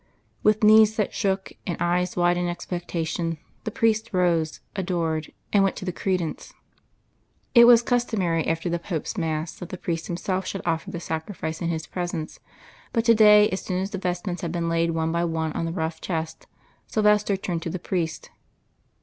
With knees that shook and eyes wide in expectation, the priest rose, adored, and went to the credence. It was customary after the Pope's mass that the priest himself should offer the Sacrifice in his presence, but to day so soon as the vestments had been laid one by one on the rough chest, Silvester turned to the priest.